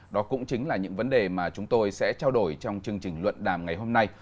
đó cũng chính là những vấn đề mà chúng tôi sẽ trao đổi trong chương trình luận đàm ngày hôm nay